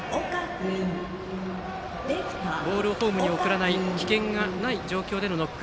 ボールをホームに送らない危険がない状況でのノック。